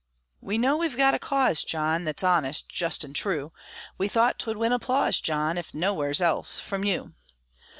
We know we've got a cause, John, Thet's honest, just, an' true; We thought 'twould win applause, John, If nowheres else, from you.